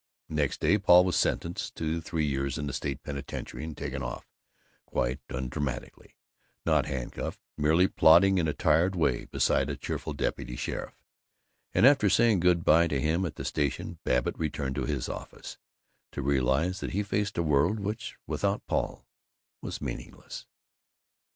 Next day Paul was sentenced to three years in the State Penitentiary and taken off quite undramatically, not handcuffed, merely plodding in a tired way beside a cheerful deputy sheriff and after saying good by to him at the station Babbitt returned to his office to realize that he faced a world which, without Paul, was meaningless.